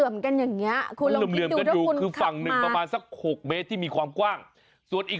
มันเหลืองกันอย่างนี้